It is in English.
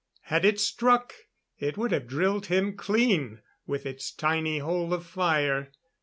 Had it struck, it would have drilled him clean with its tiny hole of fire.